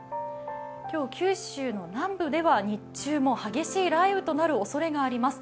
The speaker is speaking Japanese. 今日九州の南部では日中も激しい雷雨となるおそれがあります。